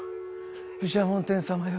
毘沙門天様よ